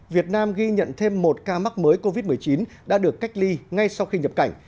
việt nam ghi nhận thêm một ca mắc mới covid một mươi chín đã được cách ly ngay sau khi nhập cảnh